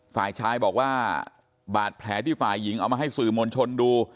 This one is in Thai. ฝ่ายชายบอกว่าบาดแผลที่ฝ่ายหญิงเอามาให้สื่อมวลชนดู